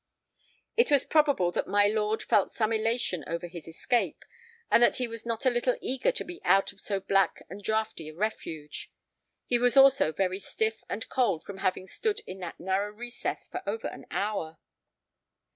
It was probable that my lord felt some elation over his escape, and that he was not a little eager to be out of so black and draughty a refuge. He was also very stiff and cold from having stood in that narrow recess for over an hour.